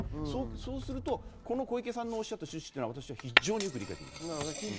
そうすると小池さんがおっしゃった趣旨はよく理解できます。